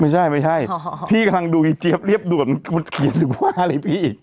ไม่ใช่ไม่ใช่พี่กำลังดูอีเจี๊ยบเรียบด่วนมันเขียนหรือว่าอะไรพี่อีก